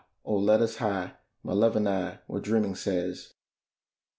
oh, let us hie, My love and I, where dreaming says.